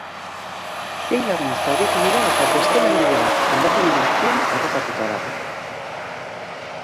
Sei lagun zauritu dira eta beste langile bat hondakinen azpian harrapatuta dago.